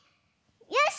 よし！